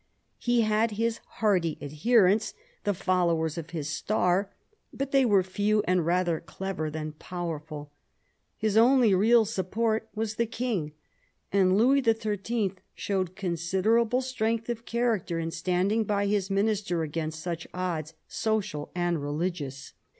He had his hearty adherents, the followers of his star, but they were few and rather clever than powerful. His only real support was the King. And Louis XIII. showed considerable strength of character in standing by his Minister against such odds, social and religious.